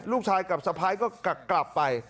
ลูกชายกับสะพ้ายก็กลับไป